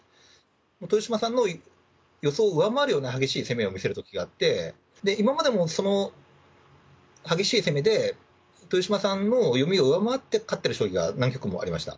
豊島さんの予想を上回るような激しい攻めを見せるときがあって、今までもその激しい攻めで豊島さんの読みを上回って勝ってる将棋が何局もありました。